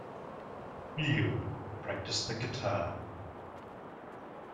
Ryu practised the guitar.